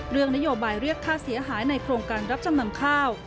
เรื่องนโยบายเรียกค่าเสียหายในโครงการรับจำนำข้าว